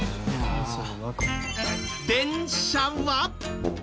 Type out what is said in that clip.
電車は。